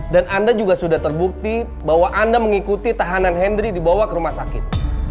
dan anda juga sudah terbukti bahwa anda mengikuti tahanan hendri dibawa ke rumah sakit